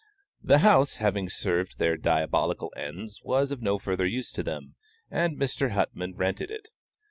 The house having served their diabolical ends, was of no further use to them, and Mr. Huttman rented it.